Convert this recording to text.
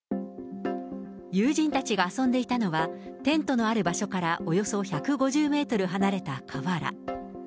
友人たちが遊んでいたのは、テントのある場所からおよそ１５０メートル離れた河原。